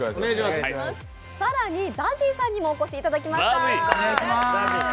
更にＺＡＺＹさんにもお越しいただきました。